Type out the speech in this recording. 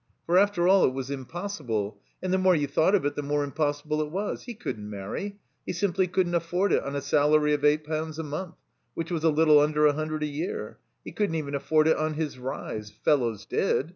For, after all, it was impossible; and the more you thought of it the more impossible it was. He couldn't marry. He simply couldn't aflford it on a salary of eight potmds a month, which was a little under a hundred a year. He couldn't even afford it on his rise. Fellows did.